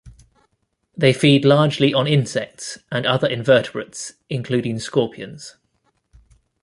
They feed largely on insects and other invertebrates, including scorpions.